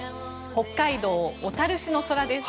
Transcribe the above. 北海道小樽市の空です。